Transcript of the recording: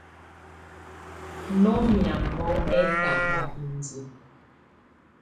Nɔ mɛ̀áŋɔ ɛtambá índiǝ́.